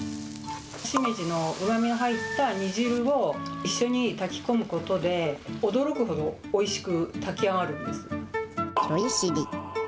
しめじのうまみが入った煮汁を一緒に炊き込むことで、驚くほどおいしく炊きあがるんです。